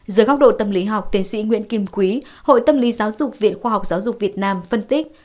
dưới góc độ tâm lý học tiến sĩ nguyễn kim quý hội tâm lý giáo dục viện khoa học giáo dục việt nam phân tích